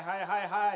はい。